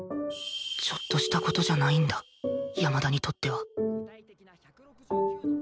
ちょっとした事じゃないんだ山田にとってはん？